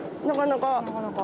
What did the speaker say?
なかなか。